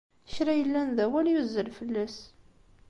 Kra yellan d awal yuzzel fell-as.